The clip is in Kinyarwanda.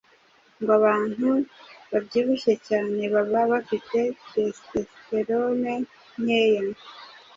ngo abantu babyibushye cyane baba bafite testosterone nkeya